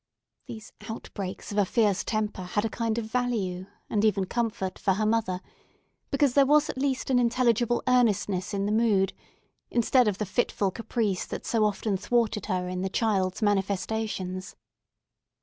These outbreaks of a fierce temper had a kind of value, and even comfort for the mother; because there was at least an intelligible earnestness in the mood, instead of the fitful caprice that so often thwarted her in the child's manifestations.